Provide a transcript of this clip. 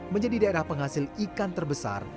menjadi daerah penghasil ikan terbesar